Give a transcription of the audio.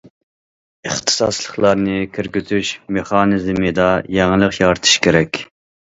ئىختىساسلىقلارنى كىرگۈزۈش مېخانىزمىدا يېڭىلىق يارىتىش كېرەك.